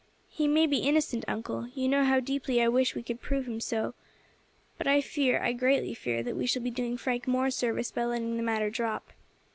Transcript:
He may be innocent, uncle you know how deeply I wish we could prove him so but I fear, I greatly fear, that we shall be doing Frank more service by letting the matter drop.